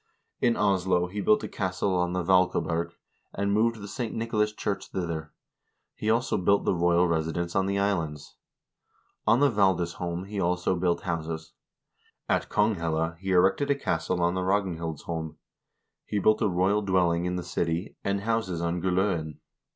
In Oslo he built a castle on the Vaalkaberg, and moved the St. Nicolas church thither; he also built the royal residence in the islands. On the Valdisholm he also built houses. At Konghelle he erected a castle on the Ragnhildsholm ; he built a royal dwelling in the city, and houses on Gull0en.